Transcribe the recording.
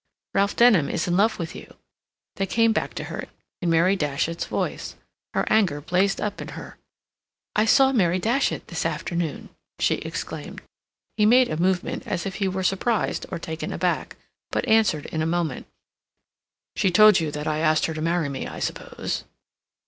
"Ralph Denham is in love with you." They came back to her in Mary Datchet's voice. Her anger blazed up in her. "I saw Mary Datchet this afternoon," she exclaimed. He made a movement as if he were surprised or taken aback, but answered in a moment: "She told you that I had asked her to marry me, I suppose?"